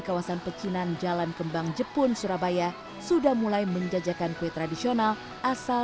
kawasan pecinan jalan kembang jepun surabaya sudah mulai menjajakan kue tradisional asal